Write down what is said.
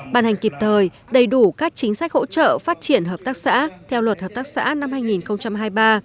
bàn hành kịp thời đầy đủ các chính sách hỗ trợ phát triển hợp tác xã theo luật hợp tác xã năm hai nghìn hai mươi ba